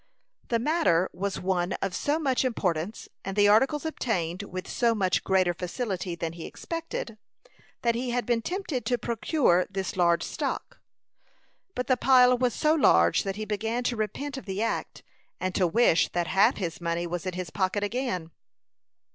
The matter was one of so much importance, and the articles obtained with so much greater facility than he expected, that he had been tempted to procure this large stock. But the pile was so large that he began to repent of the act, and to wish that half his money was in his pocket again.